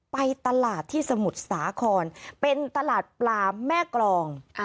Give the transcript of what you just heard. ไปตลาดที่สมุทรสาครเป็นตลาดปลาแม่กรอง